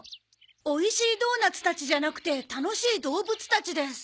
「おいしいドーナツたち」じゃなくて『たのしいどうぶつたち』です。